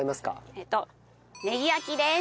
えっとねぎ焼きです。